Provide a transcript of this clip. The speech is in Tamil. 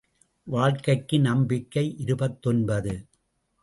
வாழ்க்கைக்கு நம்பிக்கை இருபத்தொன்பது.